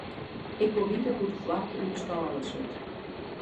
Ik wol witte hoe't de foarke yn 'e stâle sit.